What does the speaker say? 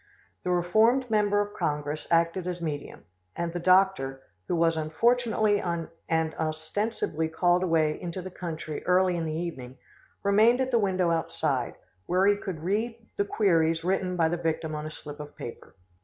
The reformed member of Congress acted as medium, and the doctor, who was unfortunately and ostensibly called away into the country early in the evening, remained at the window outside, where he could read the queries written by the victim on a slip of paper.